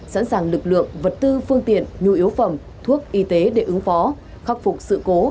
sẵn sàng lực lượng vật tư phương tiện nhu yếu phẩm thuốc y tế để ứng phó khắc phục sự cố